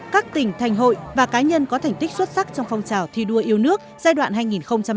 các tỉnh thành hội và cá nhân có thành tích xuất sắc trong phong trào thi đua yêu nước giai đoạn hai nghìn một mươi năm hai nghìn hai mươi